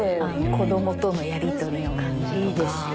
子どもとのやり取りの感じとか。